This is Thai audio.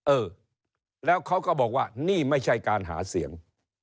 เออแล้วเขาก็บอกว่านี่ไม่ใช่การหาเสียง